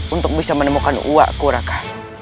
untuk bisa menemukan uak kuraka